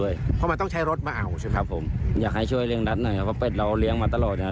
อยากให้ช่วยเลี้ยงรัฐหน่อยเพราะเป็ดเราเลี้ยงมาตลอด